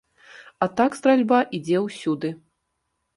А так стральба ідзе ўсюды.